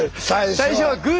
最初はグー！